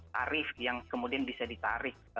tarif yang kemudian bisa ditarik